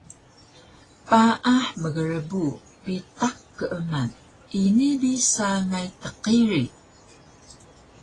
Paah mgrbu bitaq keeman ini bi sangay tqiri